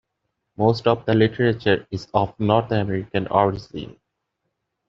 Most of the literature is of North American origin.